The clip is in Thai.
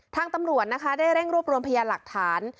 ทางตำรวจนะคะได้เร่งรวบรวมพยานหลักฐาน